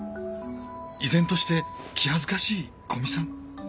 依然として気恥ずかしい古見さん。